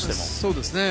そうですね。